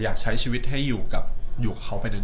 อยากใช้ชีวิตให้อยู่กับเขาไปเดิน